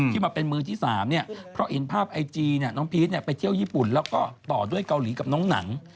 มาเป็นมือที่๓เนี่ยเพราะเห็นภาพไอจีน้องพีชไปเที่ยวญี่ปุ่นแล้วก็ต่อด้วยเกาหลีกับน้องหนัง